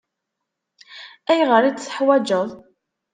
Ayɣer i t-teḥwaǧeḍ?